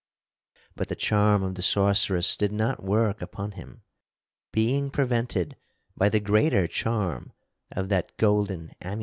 But the charm of the sorceress did not work upon him, being prevented by the greater charm of that golden amulet.